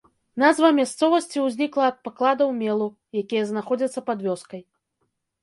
Назва мясцовасці ўзнікла ад пакладаў мелу, якія знаходзяцца пад вёскай.